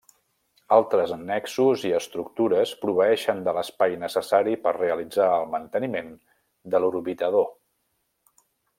Altres annexos i estructures proveeixen de l'espai necessari per realitzar el manteniment de l'orbitador.